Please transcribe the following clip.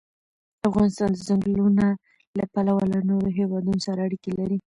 افغانستان د ځنګلونه له پلوه له نورو هېوادونو سره اړیکې لري.